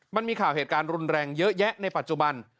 มันมีข่าวเหตุการณ์รุนแรงเยอะแยะในปัจจุบัน